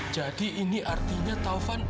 jadi ini artinya taufan